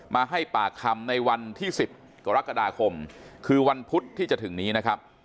มาให้ปากคำในวันที่๑๐กรกฎาคมคือวันพุธที่จะถึงนี้นะครับ